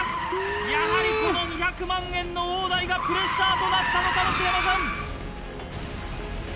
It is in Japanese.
やはりこの２００万円の大台がプレッシャーとなったのかもしれません。